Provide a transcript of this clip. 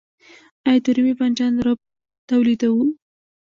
آیا د رومي بانجان رب تولیدوو؟